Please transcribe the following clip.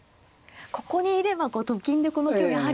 ここにいればと金でこの金をやはりこう。